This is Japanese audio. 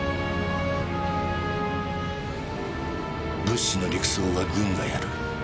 物資の陸送は軍がやる。